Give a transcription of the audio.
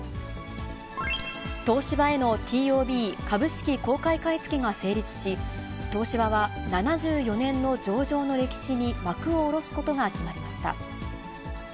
東芝へのＴＯＢ・株式公開買い付けが成功し、東芝は７４年の上場の歴史に幕を下ろすことが決まりました。